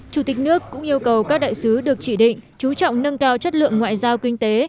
chủ tịch nước cũng yêu cầu các đại sứ được chỉ định chú trọng nâng cao chất lượng ngoại giao kinh tế